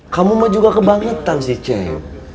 kamu mah juga kebangitan si cek